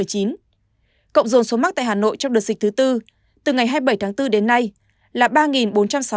cộng dồn số mắc tại hà nội trong đợt dịch thứ bốn từ ngày hai mươi bảy tháng bốn đến nay là ba bốn trăm sáu mươi tám ca